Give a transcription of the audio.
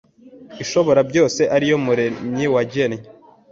Ishoborabyose ari yo Muremyi wagennye